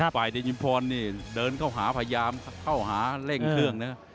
เดยิมพรนี่เดินเข้าหาพยายามเข้าหาเร่งเครื่องนะ